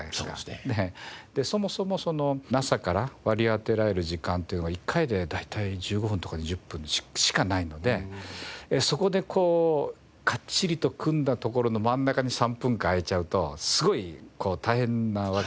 でそもそもＮＡＳＡから割り当てられる時間っていうのが１回で大体１５分とか２０分しかないのでそこでかっちりと組んだところの真ん中に３分間空いちゃうとすごい大変なわけですよね